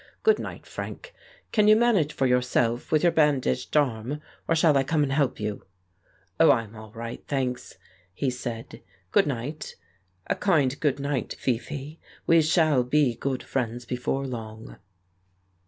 Good night, Frank. Can you manage for yourself with your bandaged arm, or shall I come and help you ?" "Oh, I'm all right, thanks," he said; "good night. A kind good night, Fifi. We shall be good friends before long."